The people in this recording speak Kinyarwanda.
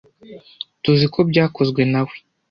Tuziko byakozwe na we.